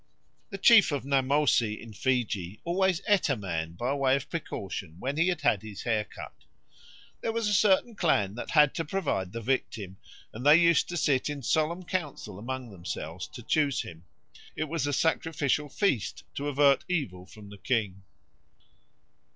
The chief of Namosi in Fiji always ate a man by way of precaution when he had had his hair cut. "There was a certain clan that had to provide the victim, and they used to sit in solemn council among themselves to choose him. It was a sacrificial feast to avert evil from the chief."